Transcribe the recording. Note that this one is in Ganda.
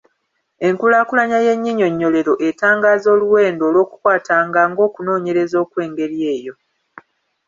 Enkulaakulanya y’ennyinyonnyolero etangaaza oluwenda olw’okukwatanga ng’okunoonyereza okw’engeri eyo.